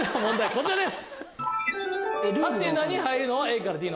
こちらです！